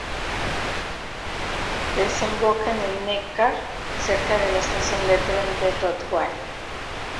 Desemboca en el Neckar cerca de la estación de tren de Rottweil.